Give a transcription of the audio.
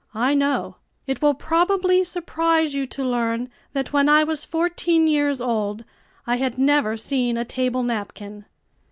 I know. It will probably surprise you to learn that when I was fourteen years old I had never seen a table napkin.